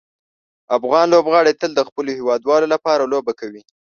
افغان لوبغاړي تل د خپلو هیوادوالو لپاره لوبه کوي.